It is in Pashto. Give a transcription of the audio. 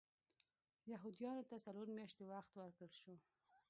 یهودیانو ته څلور میاشتې وخت ورکړل شو.